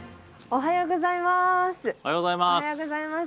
おはようございます。